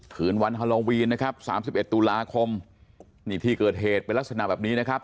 คืนวันฮาโลวีนนะครับสามสิบเอ็ดตุลาคมนี่ที่เกิดเหตุเป็นลักษณะแบบนี้นะครับ